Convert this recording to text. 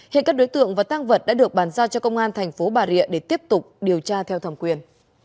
hiện các đối tượng và tăng vật đã được bàn giao cho công an thành phố bà rịa để tiếp tục điều tra theo thẩm quyền